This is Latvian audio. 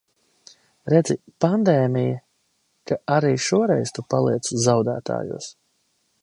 Redzi, pandēmija, ka arī šoreiz tu paliec zaudētājos.